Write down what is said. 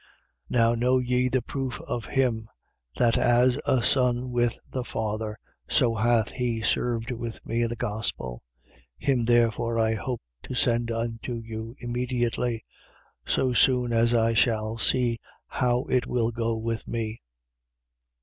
2:22. Now know ye the proof of him: that as a son with the father, so hath he served with me in the gospel. 2:23. Him therefore I hope to send unto you immediately: so soon as I shall see how it will go with me.